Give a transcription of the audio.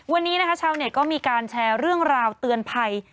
วันนี้นะคะชาวเน็ตก็มีการแชร์เรื่องราวเตือนภัย